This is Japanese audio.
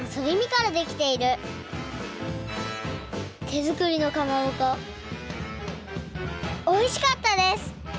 てづくりのかまぼこおいしかったです！